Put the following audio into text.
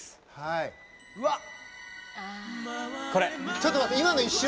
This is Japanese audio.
ちょっと待って今の一瞬？